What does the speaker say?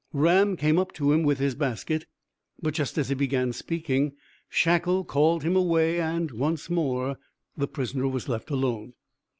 Ram came up to him with his basket, but, just as he began speaking, Shackle called him away, and once more the prisoner was left alone.